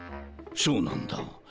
そうなんだ。